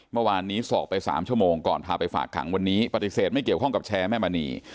เมื่อวานนี้สอบไป๓ชั่วโมงก่อนพาไปฝากขังวันนี้ปฏิเสธไม่เกี่ยวข้องกับแชร์แม่มณี